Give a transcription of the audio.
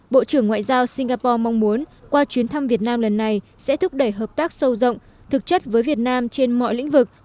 bộ trưởng ngoại giao singapore mong muốn qua chuyến thăm việt nam lần này sẽ thúc đẩy hợp tác sâu rộng thực chất với việt nam trên mọi lĩnh vực